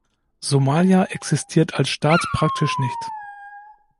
Somalia existiert als Staat praktisch nicht.